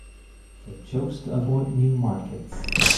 They chose to avoid new markets.